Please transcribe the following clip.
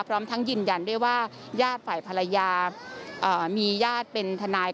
พร้อมทั้งยืนยันด้วยว่าญาติฝ่ายภรรยามีญาติเป็นทนาย